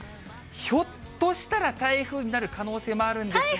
ひょっとしたら台風になる可能性もあるんですが。